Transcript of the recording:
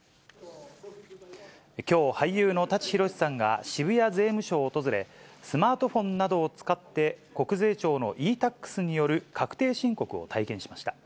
きょう、俳優の舘ひろしさんが渋谷税務署を訪れ、スマートフォンなどを使って、国税庁のｅ−Ｔａｘによる確定申告を体験しました。